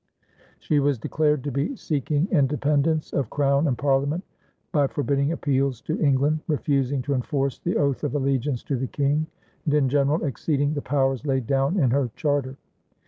She was declared to be seeking independence of Crown and Parliament by forbidding appeals to England, refusing to enforce the oath of allegiance to the King, and in general exceeding the powers laid down in her charter.